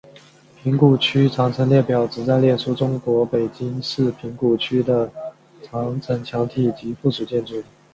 平谷区长城列表旨在列出中国北京市平谷区的长城墙体及附属设施。